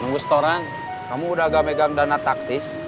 nunggu setoran kamu udah agak megang dana taktis